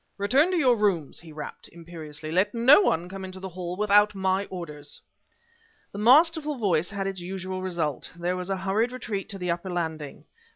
"Return to your rooms!" he rapped, imperiously; "let no one come into the hall without my orders." The masterful voice had its usual result; there was a hurried retreat to the upper landing.